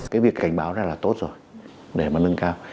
cái việc cảnh báo này là tốt rồi để mà nâng cao